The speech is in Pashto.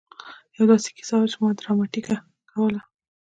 يوه داسې کيسه وه چې ما ډراماتيکه کوله.